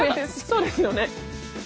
そうですよね？